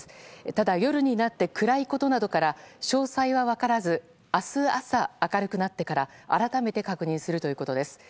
ただ夜になって暗いことなどから詳細は分からず明日朝、明るくなってから改めて確認するということです。